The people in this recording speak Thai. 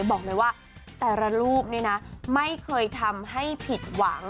บอกเลยว่าแต่ละลูกเนี่ยนะไม่เคยทำให้ผิดหวัง